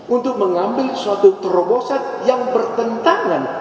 untuk mengambil suatu terobosan yang bertentangan